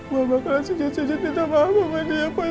gue bakalan sejujurnya tidak maaf sama dia boy